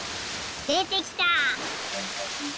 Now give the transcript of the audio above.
でてきた！